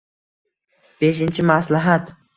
Beshinchi maslahat.